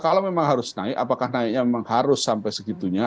kalau memang harus naik apakah naiknya memang harus sampai segitunya